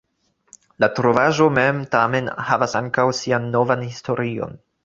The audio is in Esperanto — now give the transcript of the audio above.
La trovaĵo mem, tamen, havas ankaŭ sian novan historion.